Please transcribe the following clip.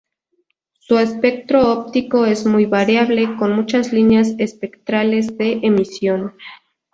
Su espectro óptico es muy variable, con muchas líneas espectrales de emisión.